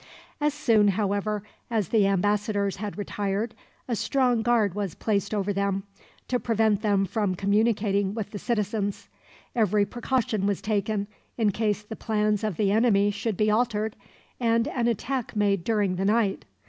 As soon, however, as the ambassadors had retired, a strong guard was placed over them, to prevent them from communicating with the citizens. Every precaution was taken, in case the plans of the enemy should be altered, and an attack made during the night.